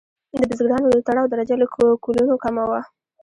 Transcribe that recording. د بزګرانو د تړاو درجه له کولونو کمه وه.